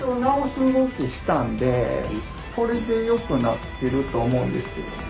これでよくなってると思うんですよね。